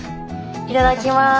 いただきます。